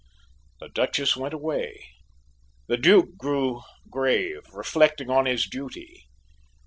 The Duchess went away, the Duke grew grave, reflecting on his duty.